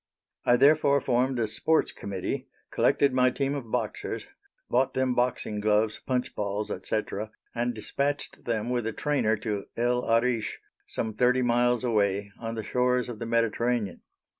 I therefore formed a Sports Committee, collected my team of boxers, bought them boxing gloves, punch balls, etc., and despatched them with a trainer to El Arish, some 30 miles away, on the shores of the Mediterranean.